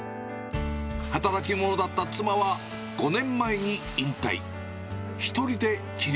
働き者だった妻は、５年前に引退。